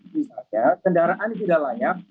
misalnya kendaraan tidak layak